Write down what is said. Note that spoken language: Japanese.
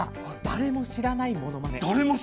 誰も知らないものまね？